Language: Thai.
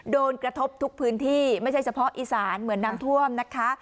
กระทบทุกพื้นที่ไม่ใช่เฉพาะอีสานเหมือนน้ำท่วมนะคะ